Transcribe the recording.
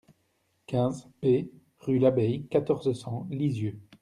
quinze P rue Labbey, quatorze, cent, Lisieux